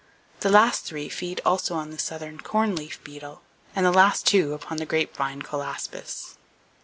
The last three feed also on the southern corn leaf beetle and the last two upon the grapevine colaspis.